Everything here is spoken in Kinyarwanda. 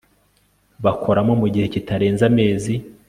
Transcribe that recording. bakoramo mu gihe kitarenze amezi